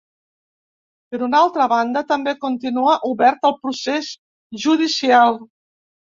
Per una altra banda, també continua obert el procés judicial.